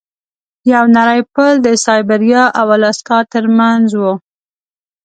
یو نری پل د سایبریا او الاسکا ترمنځ و.